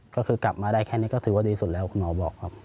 ก็คือกลับมาได้แค่นี้ก็ถือว่าดีสุดแล้วคุณหมอบอกครับ